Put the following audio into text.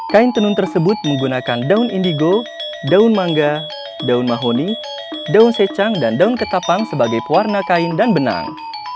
kain tenun tersebut menggunakan daun indigo daun mangga daun mahoni daun secang dan daun ketapang sebagai pewarna kain dan benang